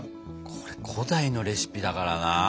これ古代のレシピだからな。